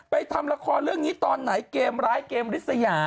ทำละครเรื่องนี้ตอนไหนเกมร้ายเกมริสยา